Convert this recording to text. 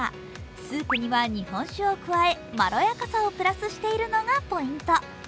スープには日本酒を加えまろやかさをプラスしているのがポイント。